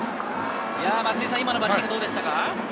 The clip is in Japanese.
今のバッティング、どうでしたか？